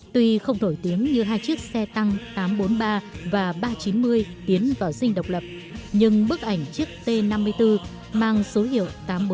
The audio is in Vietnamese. tuy không nổi tiếng như hai chiếc xe tăng tám trăm bốn mươi ba và ba trăm chín mươi tiến vào dinh độc lập nhưng bức ảnh chiếc t năm mươi bốn mang số hiệu tám trăm bốn mươi